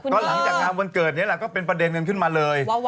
ก็หลังจากงานวันเกิดนี่แหละก็เป็นประเด็นกันขึ้นมาเลย